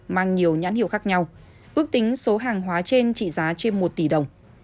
mang nhiều nhãn hiệu khác nhau ước tính số hàng hóa trên trị giá trên một tỷ đồng